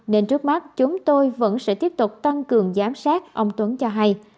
nên trước mắt chúng tôi vẫn sẽ tiếp tục tăng cường giám sát ông tuấn cho hay